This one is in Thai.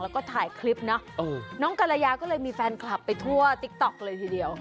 แล้วก็ถ่ายคลิปเนาะน้องกรยาก็เลยมีแฟนคลับไปทั่วติ๊กต๊อกเลยทีเดียว